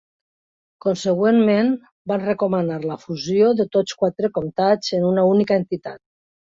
Consegüentment, van recomanar la fusió de tots quatre comtats en una única entitat.